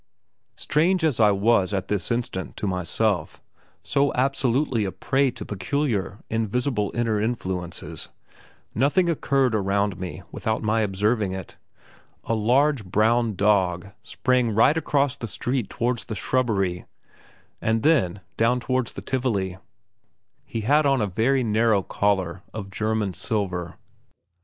Strange as I was at this instant to myself, so absolutely a prey to peculiar invisible inner influences, nothing occurred around me without my observing it. A large, brown dog sprang right across the street towards the shrubbery, and then down towards the Tivoli; he had on a very narrow collar of German silver.